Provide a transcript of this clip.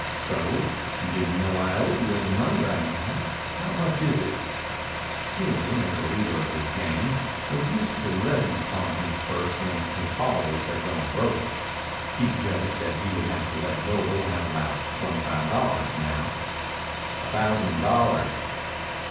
"So? Didn't know I owed you any money right now. How much is it?" Steelman, as the leader of his gang, was used to levies upon his purse when his followers had gone broke. He judged that he would have to let Doble have about twenty five dollars now. "A thousand dollars."